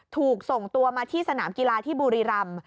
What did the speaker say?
ถูกส่งตัวมาที่สนามกีฬาที่บุรีรำ